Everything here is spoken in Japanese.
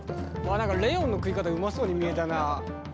あ何かレオンの食い方うまそうに見えたな。